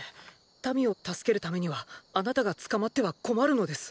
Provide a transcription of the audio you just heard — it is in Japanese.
民を助けるためにはあなたが捕まっては困るのです！